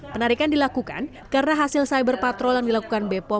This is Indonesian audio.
penarikan dilakukan karena hasil cyber patrol yang dilakukan bepom